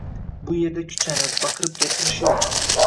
Bu erda kuchanib, baqirib gapirish yo‘q.